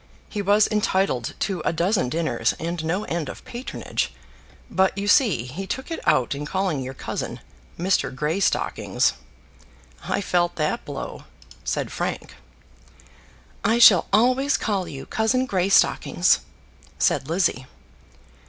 He was entitled to a dozen dinners and no end of patronage; but you see he took it out in calling your cousin Mr. Greystockings." "I felt that blow," said Frank. "I shall always call you Cousin Greystockings," said Lizzie.